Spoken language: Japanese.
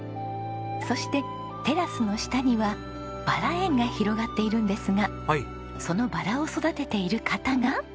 そしてテラスの下にはバラ園が広がっているんですがそのバラを育てている方が。